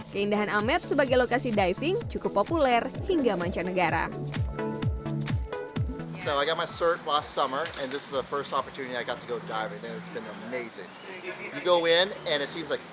keindahan amet sebagai lokasi diving cukup populer dan juga menarik